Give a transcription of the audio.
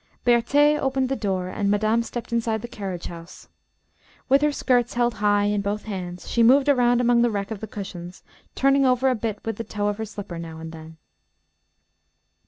Berthé opened the door, and madame stepped inside the carriage house. With her skirts held high in both hands, she moved around among the wreck of the cushions, turning over a bit with the toe of her slipper now and then.